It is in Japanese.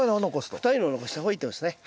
太いのを残した方がいいってことですね。